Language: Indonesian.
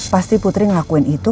pasti putri ngelakuin itu